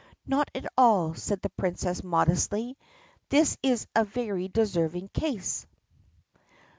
"Not at all," said the Princess modestly; "this is a very deserving case."